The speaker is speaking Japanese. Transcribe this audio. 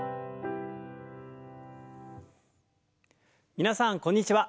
皆さんこんにちは。